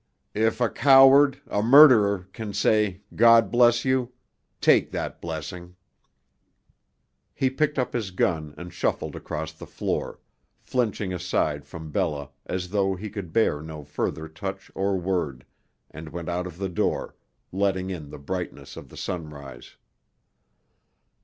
"If a coward, a murderer, can say 'God bless you,' take that blessing!" He picked up his gun and shuffled across the floor, flinching aside from Bella as though he could bear no further touch or word, and went out of the door, letting in the brightness of the sunrise.